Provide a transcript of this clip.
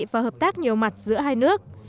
và hợp tác nhiều mặt giữa hai nước